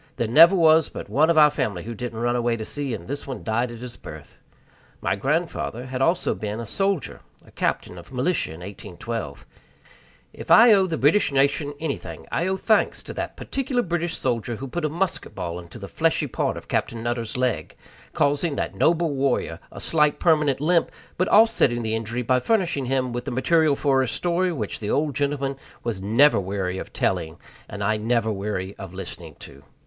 There never was but one of our family who didn't run away to sea, and this one died at his birth. My grandfather had also been a soldier a captain of militia in 1812. If I owe the British nation anything, I owe thanks to that particular British soldier who put a musket ball into the fleshy part of Captain Nutter's leg, causing that noble warrior a slight permanent limp, but offsetting the injury by furnishing him with the material for a story which the old gentleman was never weary of telling and I never weary of listening to.